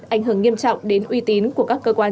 ảnh hưởng nghiêm trọng đến uy tín của các cơ quan